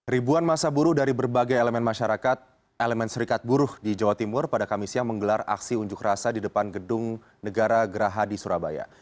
ribuan masa buruh dari berbagai elemen masyarakat elemen serikat buruh di jawa timur pada kamis siang menggelar aksi unjuk rasa di depan gedung negara geraha di surabaya